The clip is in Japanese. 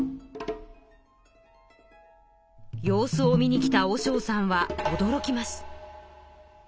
様子を見に来た和尚さんはおどろきます。